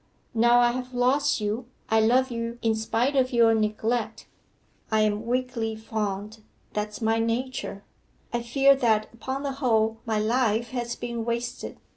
Now I have lost you, I love you in spite of your neglect. I am weakly fond that's my nature. I fear that upon the whole my life has been wasted.